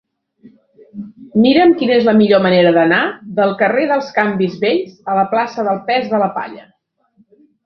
Mira'm quina és la millor manera d'anar del carrer dels Canvis Vells a la plaça del Pes de la Palla.